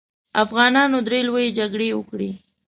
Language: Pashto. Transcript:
افغانانو درې لويې جګړې وکړې.